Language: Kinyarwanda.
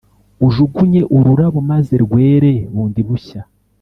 Ujugunye ururabo maze rwere bundi bushya